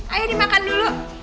ayo dimakan dulu